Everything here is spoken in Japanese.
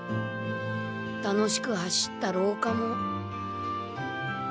楽しく走った廊下も。